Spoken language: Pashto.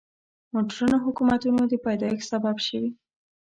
مډرنو حکومتونو د پیدایښت سبب شوي.